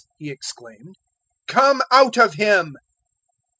He exclaimed; "come out of him."